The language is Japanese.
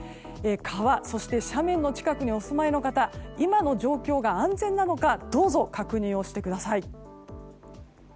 川、そして斜面の近くにお住まいの方、今の状況が安全なのかどうぞ確認してください。